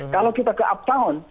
kalau kita ke uptown